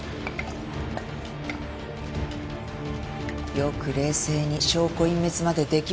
よく冷静に証拠隠滅までできましたね。